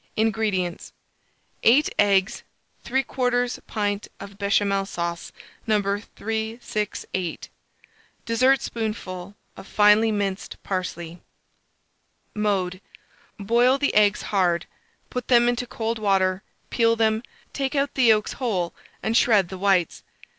INGREDIENTS. 8 eggs, 3/4 pint of Béchamel sauce No. 368, dessertspoonful of finely minced parsley. Mode. Boil the eggs hard; put them into cold water, peel them, take out the yolks whole, and shred the whites.